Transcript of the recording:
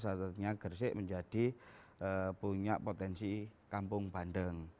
satunya gersik menjadi punya potensi kampung bandeng